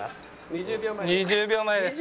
「２０秒前です」